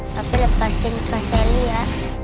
tapi lepasin kak selia